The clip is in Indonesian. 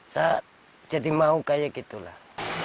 saya jadi mau kayak gitu lah